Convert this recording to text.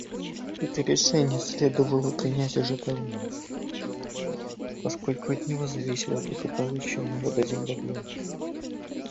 Это решение следовало принять уже давно, поскольку от него зависело благополучие народа Зимбабве.